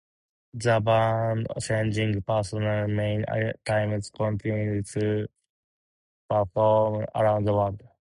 The band, changing personnel many times, continues to perform around the world.